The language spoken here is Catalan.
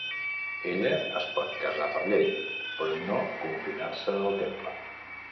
Ella es pot casar per llei, però no confinar-se al temple.